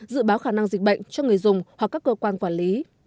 dự báo khả năng dịch bệnh cho người dùng hoặc các cơ quan quản lý